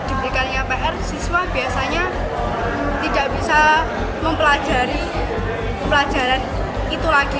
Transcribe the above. diberikannya pr siswa biasanya tidak bisa mempelajari pelajaran itu lagi